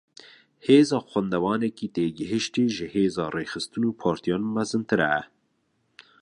Hêza xwendevanekî têgihiştî, ji hêza rêxistin û partiyan mezintir e